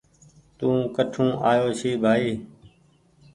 توڪٺون آيو ڇي بهائي